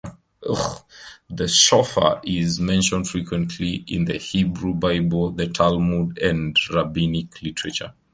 The shofar is mentioned frequently in the Hebrew Bible, the Talmud and rabbinic literature.